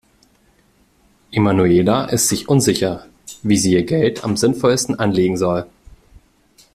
Emanuela ist sich unsicher, wie sie ihr Geld am sinnvollsten anlegen soll.